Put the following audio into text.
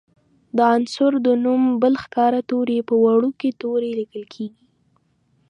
د عنصر د نوم بل ښکاره توری په وړوکي توري لیکل کیږي.